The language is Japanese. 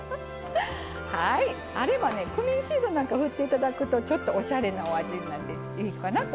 あればねクミンシードなんかを振っていただくとちょっとおしゃれなお味になっていいかなと思います。